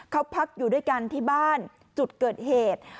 เขาพักอยู่ด้วยกันที่บ้านจุดเกิดเหตุ